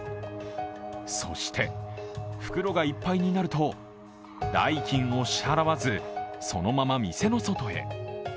そして、袋がいっぱいになると代金を支払わず、そのまま店の外へ。